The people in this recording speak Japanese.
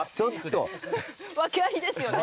訳ありですよね。